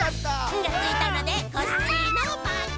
「ん」がついたのでコッシーのまけ！